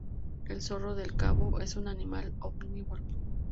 El zorro del Cabo es un animal omnívoro.